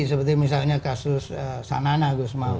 seperti misalnya kasus sanana gusmaul